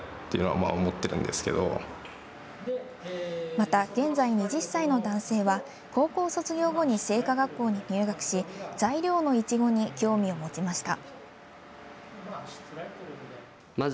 また、現在２０歳の男性は高校卒業後に製菓学校に入学し材料のいちごに興味を持ちました。